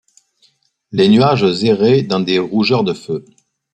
Les nuages erraient dans des rougeurs de feu ;